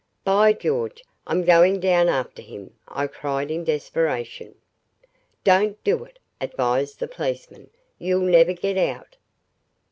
"By George, I'm going down after him," I cried in desperation. "Don't do it," advised the policeman. "You'll never get out."